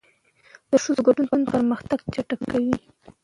د ښځو ګډون پرمختګ چټکوي.